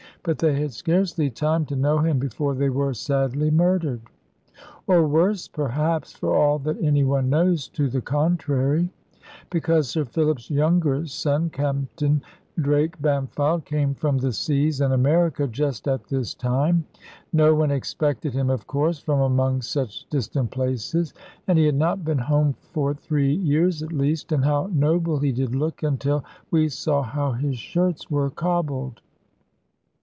But they had scarcely time to know him before they were sadly murdered; or worse, perhaps, for all that any one knows to the contrary. Because Sir Philip's younger son, Captain Drake Bampfylde, came from the seas and America, just at this time. No one expected him, of course, from among such distant places; and he had not been home for three years at least, and how noble he did look, until we saw how his shirts were cobbled!